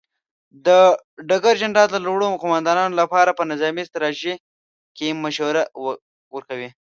ډګر جنرال د لوړو قوماندانانو لپاره په نظامي ستراتیژۍ کې مشوره ورکوي.